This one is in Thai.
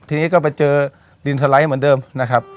ทีนี้ก็ไปเจอดินสไลด์เหมือนเดิมนะครับ